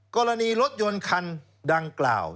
กรณีรถยนต์คันดังกล่าว